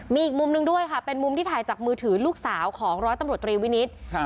มีอีกมุมหนึ่งด้วยค่ะเป็นมุมที่ถ่ายจากมือถือลูกสาวของร้อยตำรวจตรีวินิต